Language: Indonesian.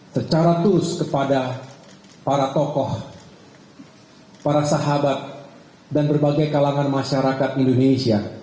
secara tulus kepada para tokoh para sahabat dan berbagai kalangan masyarakat indonesia